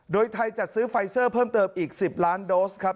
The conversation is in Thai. โดยไทยจัดซื้อไฟเซอร์เพิ่มเติมอีก๑๐ล้านโดสครับ